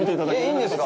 いいんですか？